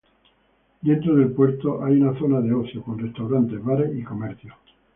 Dentro del puerto hay una zona de ocio, con restaurantes, bares y comercios.